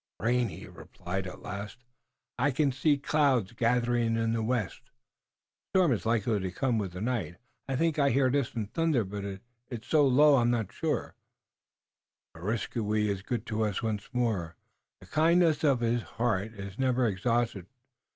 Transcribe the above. "Rain," he replied at last; "I can see clouds gathering in the west, and a storm is likely to come with the night. I think I hear distant thunder, but it is so low I'm not sure." "Areskoui is good to us once more. The kindness of his heart is never exhausted.